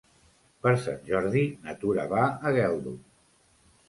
Per Sant Jordi na Tura va a Geldo.